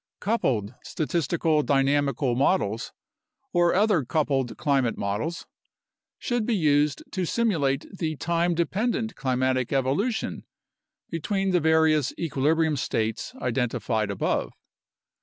Coupled statistical dynamical models, or other coupled climate models, should be used to simulate the time dependent climatic evolu tion between the various "equilibrium" states identified above.